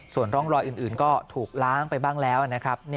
ส่วนร่องรอยอื่นก็ถูกล้างไปบ้างแล้วนะครับ